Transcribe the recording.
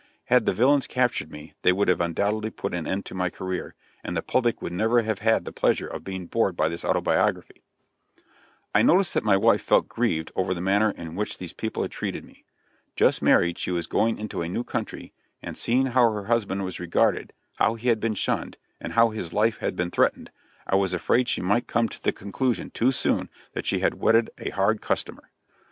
Had the villains captured me they would have undoubtedly put an end to my career, and the public would never have had the pleasure of being bored by this autobiography. I noticed that my wife felt grieved over the manner in which these people had treated me. Just married, she was going into a new country, and seeing how her husband was regarded, how he had been shunned, and how his life had been threatened, I was afraid she might come to the conclusion too soon that she had wedded a "hard customer."